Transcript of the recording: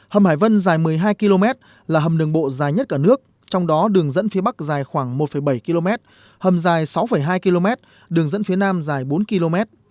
hầm hải vân dài một mươi hai km là hầm đường bộ dài nhất cả nước trong đó đường dẫn phía bắc dài khoảng một bảy km hầm dài sáu hai km đường dẫn phía nam dài bốn km